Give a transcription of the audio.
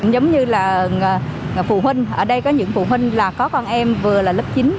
đây là phụ huynh ở đây có những phụ huynh là có con em vừa là lớp chín